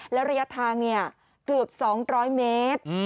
แล้วระยะทางเกือบ๒๐๐เมตร